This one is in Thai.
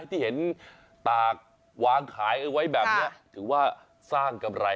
ที่เห็นตากวางขายเอาไว้แบบนี้ถือว่าสร้างกำไร